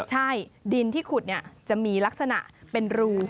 ใช่ดินที่ขุดจะมีลักษณะเป็นรู